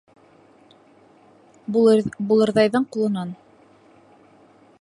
Булырҙайҙың ҡулынан